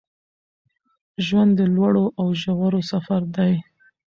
ژوند د لوړو او ژورو سفر دی